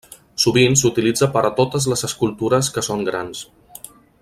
Sovint s'utilitza per a totes les escultures que són grans.